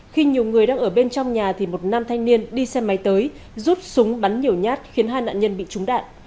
khi nhiều người đang ở bên trong nhà thì một nam thanh niên đi xe máy tới rút súng bắn nhiều nhát khiến hai nạn nhân bị trúng đạn